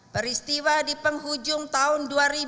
peristiwa di penghujung tahun dua ribu lima belas